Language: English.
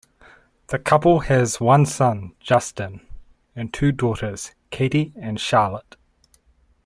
The couple has one son, Justin, and two daughters, Katie and Charlotte.